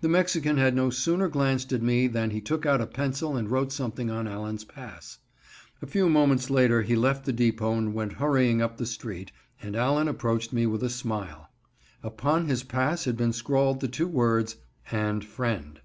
The Mexican had no sooner glanced at me than he took out a pencil and wrote something on Allen's pass. A few moments later he left the depot and went hurrying up the street; and Allen approached me with a smile. Upon his pass had been scrawled the two words, "And friend."